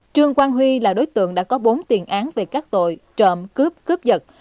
trương quang huy là đối tượng đã có bốn tiền án về các tội trộm cướp cướp giật